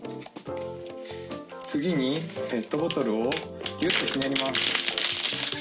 次にペットボトルをギュッとひねります。